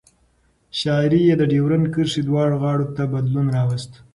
شاعري یې د ډیورند کرښې دواړو غاړو ته بدلون راوست.